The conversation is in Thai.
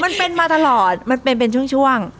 มันเป็นมาตลอดมันเป็นเป็นช่วง